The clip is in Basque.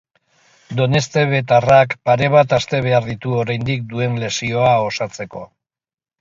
Doneztebetarrak pare bat aste behar ditu oraindik duen lesioa osatzeko.